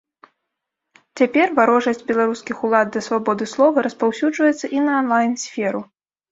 Цяпер варожасць беларускіх улад да свабоды слова распаўсюджваецца і на анлайн-сферу.